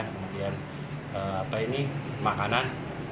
kemudian apa ini makanan